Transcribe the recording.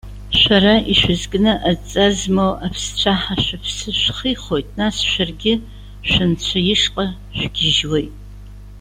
Шәара ишәызкны адҵа змоу аԥсцәаҳа шәыԥсы шәхихуеит, нас шәаргьы шәынцәа ишҟа шәгьыжьуеит.